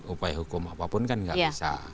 upaya hukum apapun kan nggak bisa